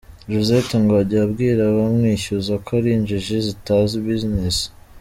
Josette ngo ajya abwira abamwishyuza ko ari injiji zitazi business.